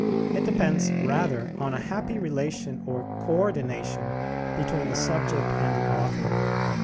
It depends rather on a happy relation or co ordination between the subject and the author.